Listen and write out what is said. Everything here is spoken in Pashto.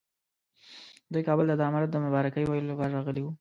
دوی کابل ته د امارت د مبارکۍ ویلو لپاره راغلي وو.